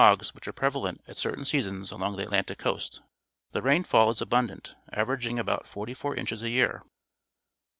which are prevalent at certain seasons along the Atlantic coast. The rainfall is abundant, averaging about forty four inches a year.